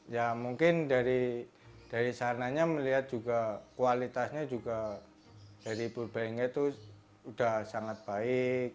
ya mungkin dari sarnanya melihat juga kualitasnya juga dari purbalingga itu udah sangat baik